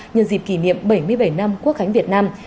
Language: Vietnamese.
nhân dịp kỷ niệm bảy mươi bảy năm quốc khánh việt nam